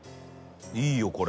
いいよこれ。